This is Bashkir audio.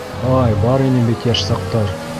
Һай, бар ине бит йәш саҡтар...